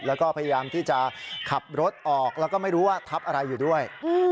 แล้วก็พยายามที่จะขับรถออกแล้วก็ไม่รู้ว่าทับอะไรอยู่ด้วย